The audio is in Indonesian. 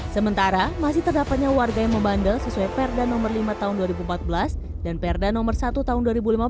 sementara masih terdapatnya warga yang membandel sesuai perda nomor lima tahun dua ribu empat belas dan perda nomor satu tahun dua ribu lima belas